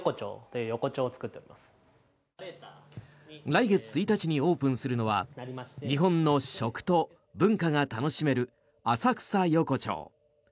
来月１日にオープンするのは日本の食と文化が楽しめる浅草横町。